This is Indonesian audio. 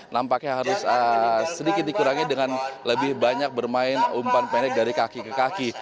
nampaknya harus sedikit dikurangi dengan lebih banyak bermain umpan pendek dari kaki ke kaki